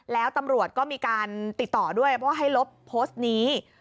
แล้วตำรวจก็มีการติดต่อด้วยว่าให้ลบโพสต์นี้